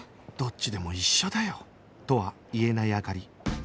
どっちでも一緒だよとは言えない灯